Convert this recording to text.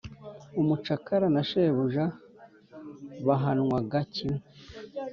Umucakara na shebuja bahanwaga kimwe,